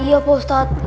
iya pak ustadz